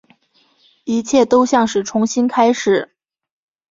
一切都像是重新开始